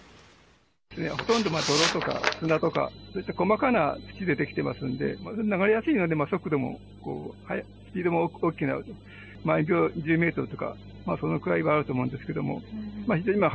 ほとんど泥とか砂とか、細かな土で出来てますんで、流れやすいんで、速度もスピードも大きな、毎秒１０メートルとか、そのくらいはあると思うんですけ